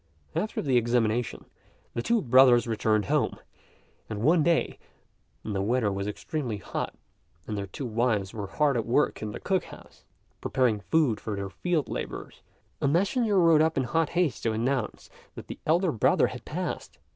After the examination, the two brothers returned home; and one day, when the weather was extremely hot, and their two wives were hard at work in the cook house, preparing food for their field labourers, a messenger rode up in hot haste to announce that the elder brother had passed.